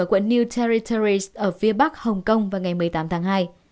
ở quận new territerres ở phía bắc hồng kông vào ngày một mươi tám tháng hai